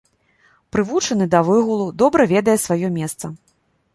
Прывучаны да выгулу, добра ведае сваё месца.